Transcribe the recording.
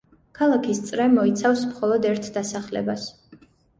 ქალაქის წრე მოიცავს მხოლოდ ერთ დასახლებას.